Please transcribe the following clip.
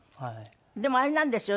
でもあれなんですよね？